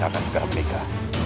tak akan segera berhenti